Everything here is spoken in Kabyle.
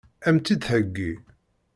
Ad m-tt-id-theggi?